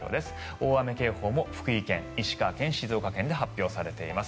大雨警報も福井県、石川県、静岡県で発表されています。